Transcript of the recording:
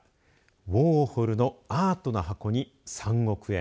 ウォーホルのアートな箱に３億円！